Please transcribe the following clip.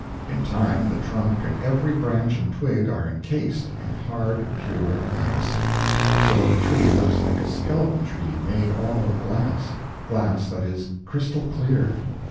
In time the trunk and every branch and twig are incased in hard pure ice; so that the tree looks like a skeleton tree made all of glass glass that is crystal clear.